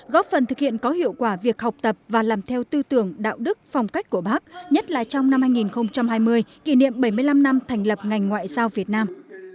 góp phần thực hiện có hiệu quả việc học tập và làm theo tư tưởng đạo đức phong cách của bác nhất là trong năm hai nghìn hai mươi kỷ niệm bảy mươi năm năm thành lập ngành ngoại giao việt nam